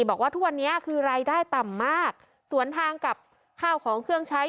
บอกว่าทุกวันนี้คือรายได้ต่ำมากสวนทางกับข้าวของเครื่องใช้